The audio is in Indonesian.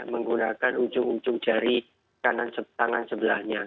menggunakan ujung ujung jari tangan sebelahnya